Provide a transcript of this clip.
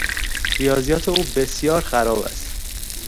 ریاضیات او بسیار خراب است.